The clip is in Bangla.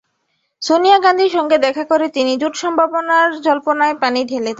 সোনিয়া গান্ধীর সঙ্গে দেখা করে তিনি জোট সম্ভাবনার জল্পনায় পানি ঢেলে দেন।